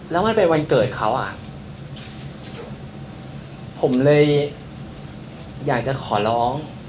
แล้วมันเป็นวันเกิดเขาอ่ะผมเลยอยากจะขอร้อง